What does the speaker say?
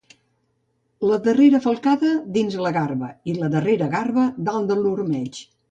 La darrera falcada, dins la garba i la darrera garba, dalt l'ormeig.